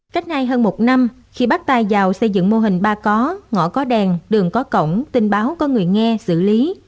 cách đây hơn một năm khi bắt tay vào xây dựng mô hình ba có ngõ có đèn đường có cổng tin báo có người nghe xử lý